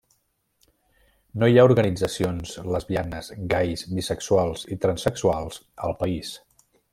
No hi ha organitzacions lesbianes, gais, bisexuals i transsexuals al país.